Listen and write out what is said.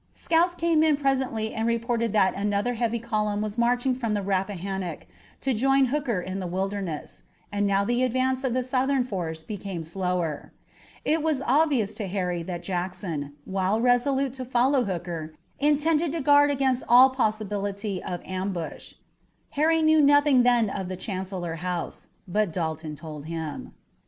Scouts came in presently and reported that another heavy column was marching from the Rappahannock to join Hooker in the Wilderness, and now the advance of the Southern force became slower. It was obvious to Harry that Jackson, while resolute to follow Hooker, intended to guard against all possibility of ambush. Harry knew nothing then of the Chancellor House, but Dalton told him.